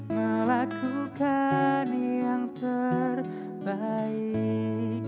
melakukan yang terbaik